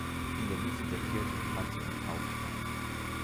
In der Mitte der Kirche befand sich ein Taufstein.